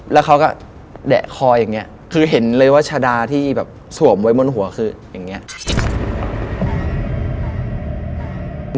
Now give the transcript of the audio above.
แล้วเขาก็แดะคออย่างนี้คือเห็นเลยว่าชาดาที่แบบสวมไว้บนหัวคืออย่างนี้